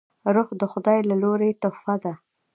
روح د خداي له لورې تحفه ده